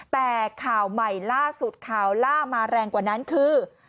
แต่ข่าวใหม่ล่าสุดข่าวล่ามาแรงกว่านั้นคือ